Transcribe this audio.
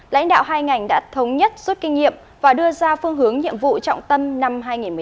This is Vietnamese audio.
lãnh đạo hai ngành đã thống nhất rút kinh nghiệm và đưa ra phương hướng nhiệm vụ trọng tâm năm hai nghìn một mươi tám